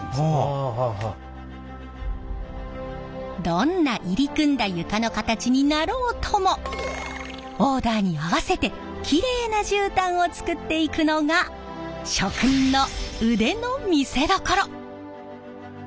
どんな入り組んだ床の形になろうともオーダーに合わせてきれいなじゅうたんを作っていくのが職人の腕の見せどころ！